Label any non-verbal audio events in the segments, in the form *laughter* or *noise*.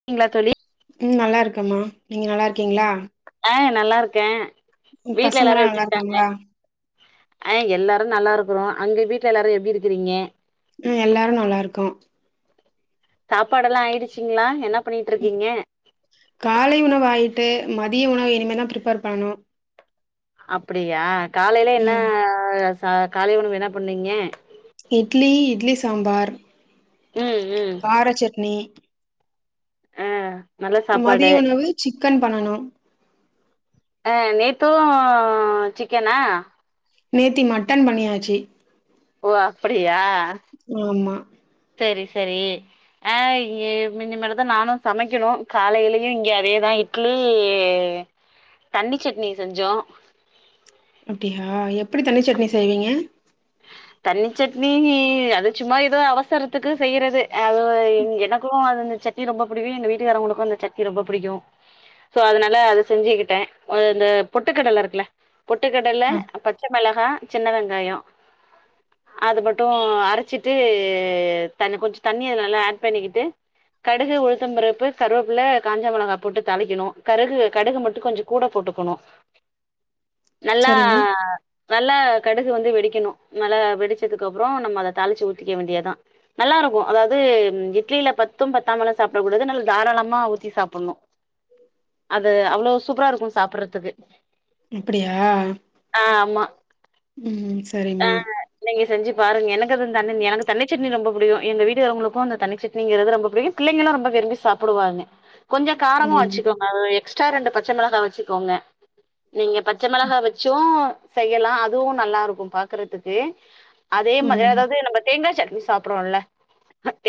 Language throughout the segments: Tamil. இருக்கீங்களா தோழி ம் நல்லாருக்கம்மா நீங்க நல்லாரிக்கீங்களா ஆ நல்லாருக்கேன் வீட்ல எல்லாரும் பசங்கலாம் நல்லா எப்டிருக்காங்க இருக்காங்களா? ஆ எல்லாரும் நல்லாருக்கிறோம் அங்க வீட்ல எல்லாரும் எப்டிருக்கிறீங்க ம் எல்லாரும் நல்லாருக்கோம் சாப்பாடெல்லாம் ஆயிடுச்சிங்களா யென்ன பண்ணிட்ருக்கீங்க காலை உணவு ஆய்ட்டு மதிய உணவு இனிமேல் தான் ப்ரிப்பர் பண்ணணும் அப்படியா காலைல என்ன ம் ச காலை உணவு என்ன பண்ணீங்க இட்லி இட்லி சாம்பார் ம் ம் கார சட்னி ஆ நல்ல சாப்பாடு மதிய உணவு சிக்கன் பண்ணணும் ஆ நேத்து சிக்கனா நேத்தி மட்டன் பண்ணியாச்சு ஓ அப்டியா ஆமா சேரி சேரி ஆ இ இனிமேல் தான் நானும் சமைக்கணும் காலையிலயும் இங்கே அதேதான் இ இட்லி தண்ணி சட்னி செஞ்சோம் அப்டியா எப்டி தண்ணி சட்னி செய்வீங்க தண்ணி சட்னி அது சும்மா ஏதோ அவசரத்துக்கு செய்யறது அது எனக்கும் அது இந்த சட் த்தி ரொம்ப புடிக்கு எங்க வீட்டுகாரவங்களுக்கு இந்த சட்னி ரொம்ப புடிக்கு சோ அதனால அத செஞ்சுகிட்டே அ இந்த பொட்டுகடல இருக்குல பொட்டுகடல ஆ பச்ச மெளகா சின்ன வெங்காயோ அது மட்டு அரச்சிட்டு தண்ணி கொஞ்ச தண்ணி அதல நல்லா ஆட் பண்ணிகிட்டு கடுகு உளுத்தம் பருப்பு கருவேப்புல காஞ்ச மெளகாப் போட்டு தாளிக்கணு கருகு கடுகு மட்டு கொஞ்சோ கூட போட்டுக்கணு நல்லா சரிம்மா. நல்லா கடுகு வந்து வெடிக்கிணு நல்லா வெடிச்சதுக்கப்றோ நம்ம அத தாளிச்சு ஊத்திக்க வேண்டியதா நல்லாருக்கு அதாவதும் இட்லில பத்தும் பத்தாமலா சாப்ட கூடாது நல்லா தாராளமா ஊத்தி சாப்புன்னு அது அவ்ளோ சூப்பராருக்கு சாப்பர்றதுக்கு இப்பிடியா ம் சரிமா த இல்ல நீங்க செஞ்சி பாருங்க எனக்கு அது தண்ணன் எனக்கு தண்ணி சட்னி ரொம்ப புடிக்கு எங்க வீட்டு காரவுங்களுக் கு அந்த தண்ணி சட்னிங்கிறது ரொம்ப பிடிக்கு பிள்ளைங்களு ரொம்ப விரும்பி சாப்பிடுவாங்க கொஞ்சோ காரமு ம் வச்சுகும் அது எக்ஸ்ட்ரா ரெண்டு பச்ச மெளகா வச்சுகோங்க நீங்க பச்ச மெளகா வச்சு செய்யலா அதுவு நல்லாருக்கு பாக் க்கறதுக்கு அதே மாதிரி ம். அதாவது நம்ப தேங்கா சட்னி சாப்பறோல்ல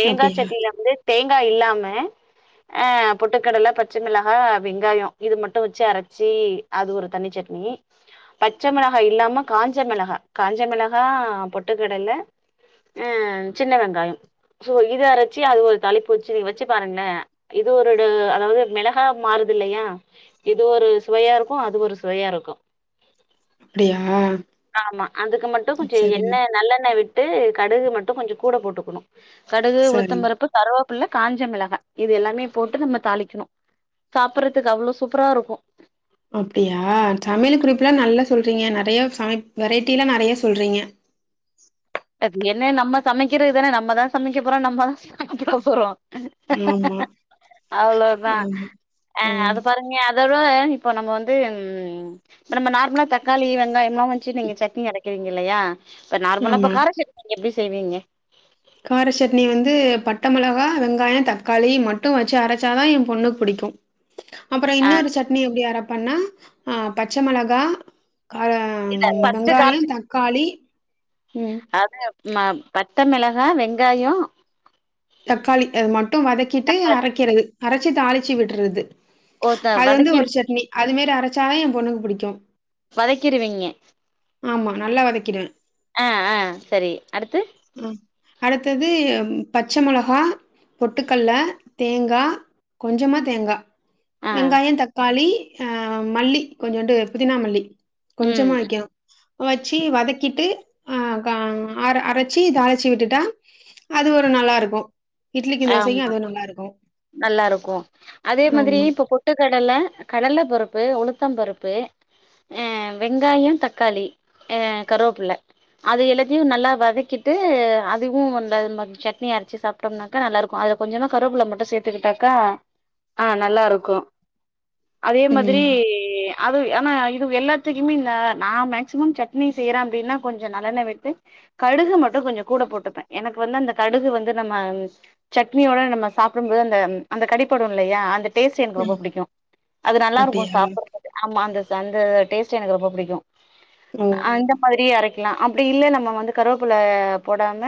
தேங்கா அப்டியா? சட்டில வந்து தேங்கா இல்லாம அ பொட்டுக்கடல பச்ச மிளகா வெங்காயோ இது மட்டு வச்சு அரச்சி அது ஒரு தண்ணி சட்னி பச்ச மிளகா இல்லாம காஞ்ச மிளகா காஞ்ச மிளகா பொட்டுக்கடல அ சின்ன வெங்காயம் சோ இது அரச்சி அது ஒரு தாளிப்பூச்சு நீங்க வச்சு பாருங்ளே இது ஒருட அதாவது மிளகா மாறுது இல்லையா இது ஒரு சுவையாருக்கு அது ஒரு சுவையாருக்கு அப்டியா ஆமா அதுக்கு மட்டு கொஞ்சோ சரிம்மா, எண்ணெ நல்லெண்ணெ விட்டு கடுகு மட்டு கொஞ்சோ கூட போட்டுக்குணு கடுகு சரிம்மா. உளுத்தம்பருப்பு கருவேப்புள்ள காஞ்சமிளகா இது எல்லாமே போட்டு நம்ம தாளிக்குணு சாப்பிர்றதுக்கு அவ்ளோ சூப்பராருக்கு அப்டியா சமையல் குறிப்புலா நல்லா சொல்றீங்க நெறையா சாய்ம் வெரைட்டிலா நெறைய சொல்றீங்க அது என்ன நம்ம சமைக்கிறதுதானே நம்மதா சமைக்க போறோ நம்மதா சாப்ட போறோ ஆமா, அவ்ளோதா ஆமா. ஆ ம். அது பாரு நீ அதோட இப்போ நம்ம வந்து ம் நம்ம நார்மலா தக்காளி வெங்காயம்லா வச்சு நீங்க சட்னி அரைக்கிறீங்க இல்லையா இப்ப நார்மலா இப்ப ஆமா. கார சட்னி நீங்க எப்டி செய்வீங்க கார சட்னி வந்து பட்ட மெளகா வெங்காயந் தக்காளி மட்டு வச்சு அரச்சாதா எம் பொண்ணுக் புடிக்கு அப்றோ ஆ இன்னொரு சட்னி எப்டி அரப்பன்னா அ பச்ச மெளகா காரெங் இல்ல ஃபர்ஸ்ட் கார வெங்காயந் சட்னி தக்காளி ம் மாப் பத்த மெளகா வெங்காயோ தக்காளி அத மட்டு வதக்கிட்டு தக்காளி அரைக்கிறது அரச்சி தாளிச்சி விட்றது ஓ த அது வந்து வதக்கிரு ஒரு சட்னி அது மேரி அரச்சாதா எம் பொண்ணுக்கு புடிக்கு வதக்கிருவீங்க ஆமா நல்லா வதக்கிடுவே அ அ சரி அடுத்து ஆ அடுத்தது பச்ச மொளகா பொட்டுக்கல்ல தேங்கா கொஞ்சமா தேங்கா ஆ வெங்காயந் தக்காளி அ மல்லி கொஞ்சுண்டு புதினா மல்லி ம் கொஞ்சமா வெக்கனு வச்சி வதக்கிட்டு அ க ஆர அரச் சி தாளிச்சிவிட்டுட்டா அது ஒரு நல்லாருக்கு ஆமா நல்லாருக்கு அதே மாதிரி ஆமா இப்போ பொ ட்டு கடல கடல பருப்பு உளுத்தபருப்பு ஆ வெங்காயோ தக்காளி அ கருவாப்புள்ள அது எல்லாத்தையு நல்லா வதக்கிட்டு அதுவு அந்த சட்னி அரைச்சி சாப்ட்டோம்னா னா நல்லாருக்கு அதுல கொஞ்சமா கருவேப்புள்ள மட்டு சேத்துக்கிட்டாக்கா ஆ நல்லாருக்கு அதே மாதிரி ம் அது ஏனா இது எல்லாத்துக்குமே இந்த நா மேக்சிமம் சட்னி செய்யறே அப்டின்னா கொஞ்சோ நல்லெண்ண விட்டு கடுகு மட்டு கொஞ்சோ கூட போட்டுப்ப எனக்கு வந்து அந்த கடுகு வந்து நம்ம சட்னியோட நம்ம சாப்டும்போது அந்த அந்த கடிப்படு இல்லையா அந்த டேஸ்ட் எனக்கு ரொம்ப ம் புடிக்கு அது நல்லாருக்கு அப்டியா சாப்டறத்துக்கு ஆமா அந்த அந்த டேஸ்ட்டு எனக்கு ரொம்ப புடிக்கு ஓ அந்த மாதிரி அரைக்கலா அப்டி இல்ல நம்ம வந்து கருவேப்புள்ள போடாம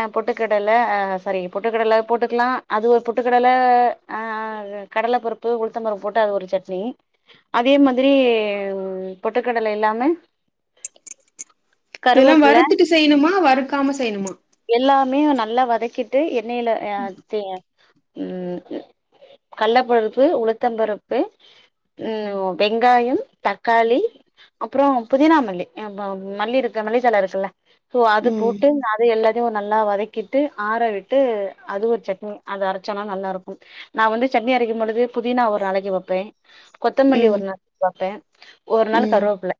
அ பொட்டுக்கடல அ சரி பொட்டுக்கடல போட்டுக்கலா அது ஒரு பொட்டுக்கடல கடலபருப்பு உளுத்தம்பருப்பு போட்டு அது ஒரு சட் னி அதே மாதிரி பொட்டுக்கடல இல்லாம இதெல்லா கருவேப்பில வறுத்துட்டு செய்யணுமா வறுக்காம செய்யணுமா எல்லாமே நல்லா வதக்கிட்டு எண்ணெயில அ தே ம் கள்ளப்பருப்பு உளுத்தபருப்பு ம் ஓ வெங்காயம் தக்காளி அப்ரோ புதினா மல்லி மல்லிருக்கு மல்லி தலருக்குல சோ அது ம் போட்டு அத எல்லாத்தையு ஒரு நல்லா வதக்கிட்டு ஆற வி ட்டு அது ஒரு சட்னி அத அரச்சோனா நல்லாருக்கு நா வந்து சட்னி அரைக்கு பொழுது புதினா ஒரு நாளைக்கு வெப்பே கொத்தமல்லி ம் ஒரு நாள் போட்டே ஒரு நாள் ம் கருவேப்புள்ள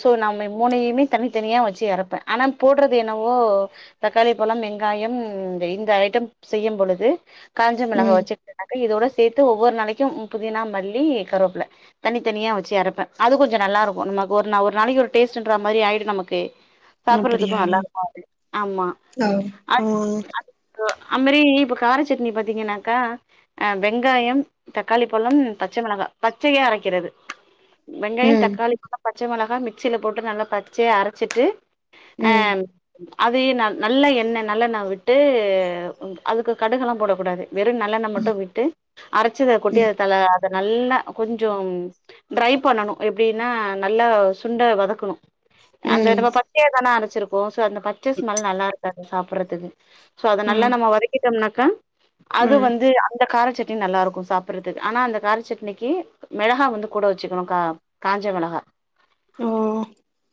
சோ நாம மூணையுமே தனித்தனியா வச்சு அரப்பே ஆனா போடுறது என்னவோ தக்காளி பலம் வெங்காயம் இந்த ஐட்டம் செய்யும் பொழுது காஞ்ச மிளகா ம் வச்சு ன்னாகா இதோட சேத்து ஒவ்வொரு நாளைக்கு புதினா மல்லி கருவப்புல தனி தனியா வச்சு அறப்பே அது கொஞ்சோ நல்லாருக்கு நமக்கு ஒரு ஒரு நாளைக்கு ஒரு டேஸ்ட்ன்ற மாரி ஆயிடு நமக்கு அப்படியா சாப்பறதுக்கு நல்லாருக்கு ஆமா ஓ ஆ அத் அது அம்மெரி இப்ப கார சட்னி பாத்தீங்கன்னாக்கா அ வெங்காயம் தக்காளி பழம் பச்ச மெளகா பச்சையா அரைக்கிறது வெங்காயோ ம் தக்காளி போட்டா பச்ச மெளகா மிக்சில போட்டு நல்லா பச்சையா அரச்சிட்டு அ ம் அது ந நல்ல எண்ண நல்லெண்ண விட்டு அ அதுக்கு கடுகலா போடக்கூடாது வெறு நல்லெண்ண மட்டு ம் விட்டு அரைச்சத கொட்டி அதல அத நல்லா கொஞ்சோ ட்டிரை பண்ணணு எப்டின்னா நல்லா சுண்ட வதக்கணு அந்த நம்ம ம் பச்சையதான அரைச்சிருப்போ சோ அந்த பச்ச ஸ்மெல் நல்லாருக்காது சாப்டறதுக்கு சோ அத நல்லா நம்ம வதக்கிட்டோம்னாக்கா அது ம் வந்து இந்த காரச்சட்னி நல்லாருக்கு சாப்பறதுக் ஆனா அந்த காரச்சட்னிக்கு மெளகா வந்து கூட வெச்சுக்கணு கா காஞ்ச மெளகா ஓ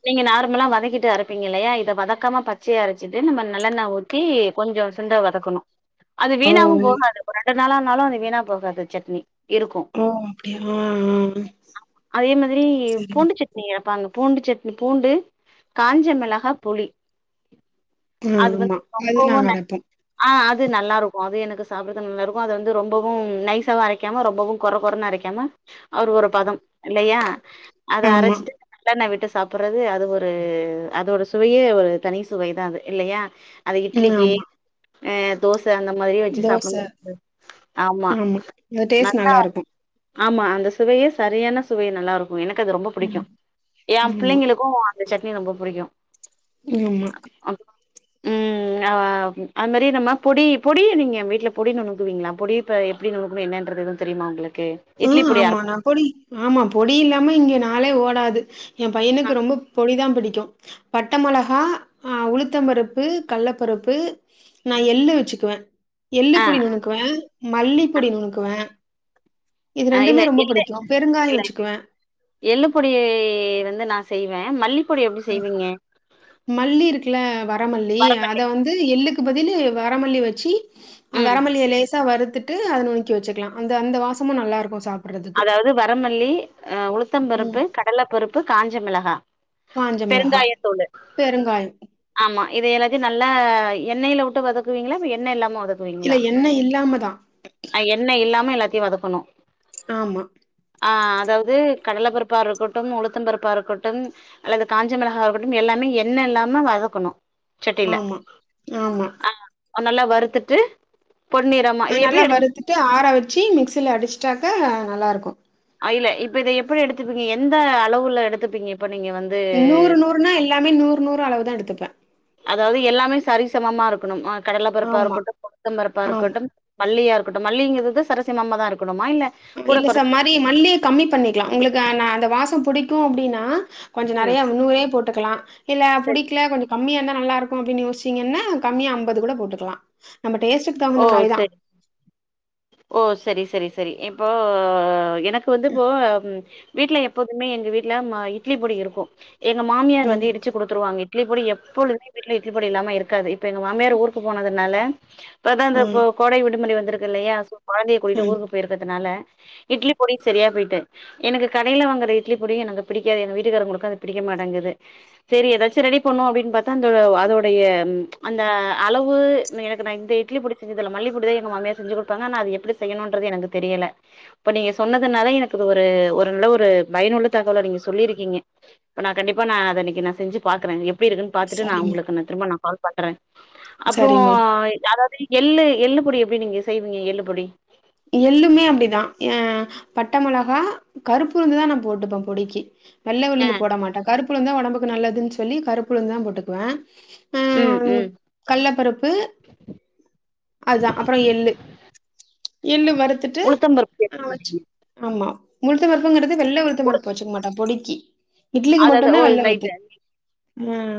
நீங்கள் நார்மலா வதக்கிட்டு அரைப்பீங்க இல்லையா இத வதக்காம பச்சையா அரைச்சிட்டு நம்ம நல்லெண்ண ஊத்தி கொஞ்சோ சுண்டை வதக்கணு அது ஆ ஓ ஓ வீணாவு போகாது ரெண்டு நாளானாலு அது வீணா போகாது சட்னி இருக்கு ஓ அப்டியா ஆ ஆ அதே மாதிரி சரிங்க பூண்டுச்சட் நீங்க *unintelligible* பூண்டு சட்னி பூண்டு காஞ்ச மிளகா புளி ஆ ஆமா நாங்க ருண்ட அரைப்போ ஆ அது நல்லாருக்கு அது எனக்கு சாப்ட்ரது நல்லாருக்கு அது வந்து ரொம்பவு நைசாவு அரை க்காம ரொம்பவு கொர கொரன்னு அரைக்காம அவரு ஒரு பதம் இல்லையா அத ஆமா அரைச்சிட்டு நல்லண்ண விட்டு சாப்படறது அது ஒரு அதோட சுவையே ஒரு தனி சுவைதா அது இல்லையா அது ம் ஆமா ஆ தோச அந்த மாதிரியே வெச்சு தோச சாப்புடு *inaudible* ஆமா ஆமா இந்த டேஸ்ட் நல்லா நல்லாருக்கு ஆமா அந்த சுவையே சரியான சுவை நல்லாருக்கு எனக்கு அது ரொம்ப பிடிக்கு ம் என் ஆமா பிள்ளைங்களுக்கு இந்த சட்னி ரொம்ப புடிக்கு ஆமா அதுதா ம் அ அது மாரி நம்ம பொடி பொடிய நீங்க வீட்டுல பொடி நுணுங்குவீங்களா பொடிப்ப எப்டி நுனுக்கனு என்னன்றது எது தெரியுமா உங்களுக்கு ஆ இட்லி பொடி அரப்போ ஆமாண்ணா பொடி ஆமா பொடி இல்லாம இங்க நாளே ஓடாது என் ஆ பையனுக்கு ரொம்ப பொடிதா பிடிக்கு பட்ட மொளகா ஆ உளுத்தம் பருப்பு கள்ள பருப்பு நா ம் எள்ளு வெச்சுக்குவ எள்ளு ஆ பொடி நுணுக்குவ மல்லிப்பொடி நுணுக்குவ இது அ இல்ல ரெண்டுமே ரொம்ப எள்ளு புடிக்கு பெருங்காயோ இல்ல வெச்சுக்குவ எள்ளு பொடி வந்து நா செய்வ மல்லி மல்லி இருக்குல வரமல்லி அத வந்து எள்ளு பதிலு வரமல்லி வெச்சு ம் வரமல்லிய லேசா வருறுத்துட் டு அத நுனுக்கி வெச்சுக்கலா அந்த அந்த வாசமு நல்லாருக்கு சாப் அதாவது வரமல்லி அ உளுத்தம் ம். பருப்பு கடலப்பருப்பு காஞ்ச மிளகா காஞ்ச மிளகா, பெருங்காயத்தூலு பெருங்காயம். ஆமா இத எல்லாத்தையு நல்லா எண்ணெயில விட்டு வதக்குவீங்களா எண்ணெ இல்லாம வதக்கு இல்ல எண்ண இல்லாமதா அ எண்ண இல்லாம எல்லாத்தயு வதக்கணு ஆமா ஆ அதாவுது கடல பருப்பா இருக்கட்டும் உளுத்தம் பருப்பா இருக்கட்டும் அல்லது காஞ்ச மிளகா இருக்கட்டும் எல்லாமே எண்ண இல்லாம வதக்கணு சட்டியில ஆமா ஆமா நல்லா வறுத்துட்டு பொந்நிரம் நல்லா வறுத்துட்டு ஆற வச்சு மிக்சியில அடிச்சுட்டாக்க நல்லாருக்கு அ இல்ல இப்ப இத எப்படி எடுத்துப்பீங்க எந்த அளவுல எடுத்துப்பீங்க இப்ப நீங்க வந் நூறு நூறுன்னா எல்லாமே நூறு நூறு அளவுதா எடுத்துப்ப அதாவது எல்லாமே சரிசமமா இருக்கணும் ஆ கடல பருப்பா ஆமா, இருக்கட்டு உழுந்த்தம் பருப்பா ஆமா. இருக்கட்டும் மல்லியா இருக்கட்டு மல்லிங்கறது சரசமம்மாதா இருக்கணுமா இல்ல கூட இல்ல சார் கொறச்சு மரி மல்லி கம்மி பண்ணிக்கலா உங்களுக்கு நா அந்த வாசம் புிடிக்கு அப்டின்னா கொஞ்சோ ம் நெறையா முன்னூரே போட்டுக்கலா இல்ல சரி புடிக்கல கொஞ்சோ கம்மியாந்தா நல்லாருக்கு அப்டின்னு யோசிச்சீங்கன்னா கம்மியா ஐம்பது கூட போட்டுக்கலா நம்ம டேஸ்டுக் ஓ செரி ஓ சரி சரி சரி இப்போ என் எனக்கு வந்து இப்போ வீட்ல எப்போதுமே எங்க வீட்ல மா இட்லி பொடி இருக்கு எங்க மாமியார் ம் வந்து இடிச்சு குடுத்துருவாங்க இட்லி பொடி எப்பொழுதுமே வீட்ல இட்லி பொடி இல்லாம இருக்காது இப்ப எங்க மாமியார் ஊருக்கு போனதுனால இப்பதா அந்த ம் இப்போ கோடை விடுமுறை வந்திருக்கு இல்லையா சோ கொழந்தையை கூட்டிட்டு ம் ஊருக்கு போயிருக்கறதுனால இட்லி பொடி செரியா போய்ட்டு எனக்கு கடையில வாங்குற இட்லி பொடி எனக்கு பிடிக்காது எங்க வீட்டுக்காரங்களுக்கு அது பிடிக்க மாட்டங்குது சேரி ஏதாச்சும் ரெடி பண்ணுவோ அப்டின்னு பாத்தா அந்த அதோடைய அந்த அளவு எனக்கு நா இந்த இட்லிப்பொடி செஞ்சதில்ல மல்லிப்பொடிதா எங்க மாமியார் செஞ்சு குடுப்பாங்கா ஆனா அது எப்டி செய்ணும்ன்றது எனக்கு தெரில இப்ப நீங்க சொன்னதுனால எனக்கு இது ஒரு ஒரு நல்ல ஒரு பயனுள்ள தகவல நீங்க சொல்லியிருக்கீங்க இப்ப நா கண்டிப்பா நா அத இன்னைக்கு நா செஞ்சு பாக்கறே எப் டி இருக்குனு பாத்துட்டு நா சரிங்க உங்களுக்கு திரும்ப நா கால் பண்றே அப்றோ சரிம்மா அதா து எள்ளு எள்ளு பொடி எப்டி நீங்க செய்வீங்க எள்ளு பொடி எள்ளுமே அப்டிதா எ பட்ட மொளகா கருப்பு உளுந்துதா நா போட்டுப்ப பொடிக்கு வெள்ள ஆ உளுந்து போட மாட்ட கருப்பு உளுந்துதா ஒடம்புக்கு நல்லதுனு சொல்லி கருப்புளுந்துதா போட்டுக்குவ அ ம் ம் கல்லபருப்பு அதுதா அப்றோ எள்ளு எள்ளு வறுத்துட்டு உளுத்தம்பருப்பு எது? ஆ வச்சு ஆமா உளுத்தம்பருப்புங்கறது வெள்ள உளுத்தம்பருப்பு வச்சுக்க மாட்ட பொடிக்கி இட்லிக்கு அதது மட்டுந்தா ஓ வெள்ள இது உளுத்து ரைட்டு ஒகே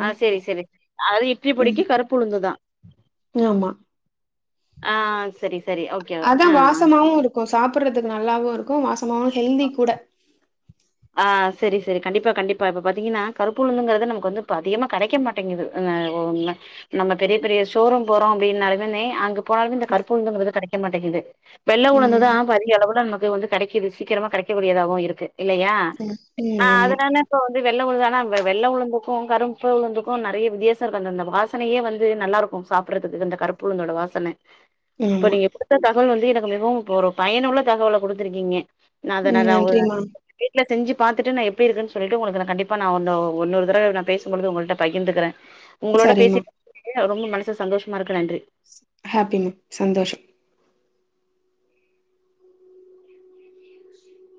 ஆ செரி செரி அதாது இட்லி ம் பொடிக்கு கருப் புளுந்துதா ஆமா ஆ சரி சரி ஓ அதா வாசமாவு இருக்கு சாப்புட்றதுக்கு நல்லாவுருக்கு வாசமாவு ஹெல்தி கூட ஆ செரி செரி கண்டிப்பா கண்டிப்பா இப்ப பாத்தீங்கன்னா கருப்பு உளுந்துங்கறது நமக்கு வந்து இப்ப அதிகமா கெடைக்க மாட் டேங்கது அ ஓ நம்ம நம்ம பெரிய பெரிய ஷோரூம் போறோ அப்டின்னாலுமுமே அங்க போனாலுமே இந்த கருப்பு உளுந்துங்கறது கெடைக்க மாட்டேங்குது வெள்ள உளுந்துதா ம் இப்ப அதிக அளவுல நமக்கு வந்து கெடைக்குது சீக்கிரமாவு கெடைக்கக்கடியதாவு இருக்கு இல்லையா ம் ஆ ம் ஆமா அதனால இப்ப வந்து வெள்ள உளுந்து ஆனா வெ வெள்ள உளுந்துக்கு, கருப்பு உளுந்துக்கு நெறைய வித்தியாசம் இருக்கு அந்த அந்த வாசனையே வந்து நல்லா இருக்கு சாப்ட்றதுக்கு இந்த கருப்புளுந்தோட வாசன இப்ப ஆமா நீங்க குடுத்த தகவல் வந்து எனக்கு மிகவு இப்ப ஒரு பயனுள்ள தகவல குடுத்துருக்கீங்க நா அத நா ம் அத வு நன்றிமா வீட்ல செஞ்சு பாத்துட்டு நா எப்டி இருக்குன்னு சொல்லிட்டு உங்களுக்கு நா கண்டிப்பா நா ஒன்னோ ஒன்னொரு தடவ நா பேசும்பொழுது உங்கள்ட்ட பகிர்ந்துக்கிறே உங்களோட சரிம்மா பேசிட்டுருந்ததுக்கே ரொம்ப மனசு சந்தோஷமா இருக்கு, நன்றி ஹாப்பிங்க, சந்தோஷம்